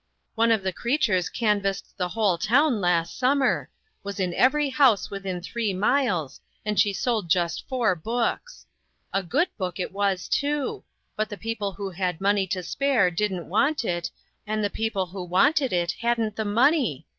One of the creatures canvassed the whole town last summer; was in every house within three miles, and she sold just four books. A good book it was, too ; but the people who had mone} 7 " to spare didn't want it, and the people who wanted it hadn't the money.